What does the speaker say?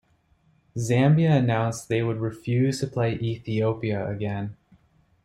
Zambia announced they would refuse to play Ethiopia again.